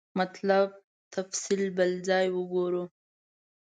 مطلب تفصیل بل ځای وګورو.